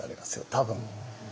多分。